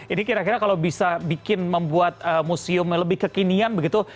ini kira kira kalau bisa bikin membuat museum lebih kekinian begitu